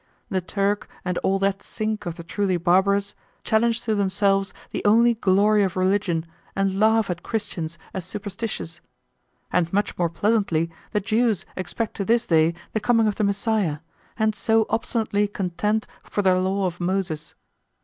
The Turk, and all that sink of the truly barbarous, challenge to themselves the only glory of religion and laugh at Christians as superstitious. And much more pleasantly the Jews expect to this day the coming of the Messiah, and so obstinately contend for their Law of Moses.